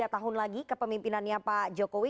tiga tahun lagi ke pemimpinannya pak jokowi